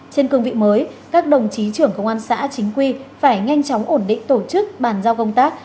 trên cương vị mới các đồng chí trưởng công an xã chính quy phải nhanh chóng ổn định tổ chức bàn giao công tác